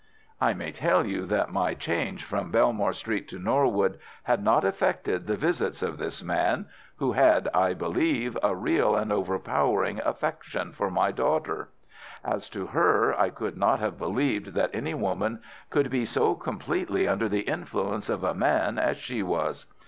"I may tell you that my change from Belmore Street to Norwood had not affected the visits of this man, who had, I believe, a real and overpowering affection for my daughter. As to her, I could not have believed that any woman could be so completely under the influence of a man as she was.